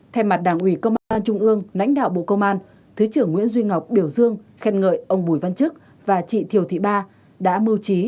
thay mặt đảng ủy công an trung ương lãnh đạo bộ công an thứ trưởng nguyễn duy ngọc biểu dương khen ngợi ông bùi văn trức và chị thiều thị ba đã mưu trí